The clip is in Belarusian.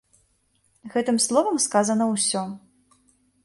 Гэтым словам сказана ўсё.